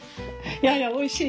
いやいやおいしい。